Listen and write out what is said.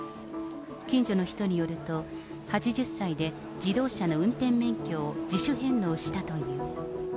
近所の人によると、８０歳で自動車の運転免許を自主返納したという。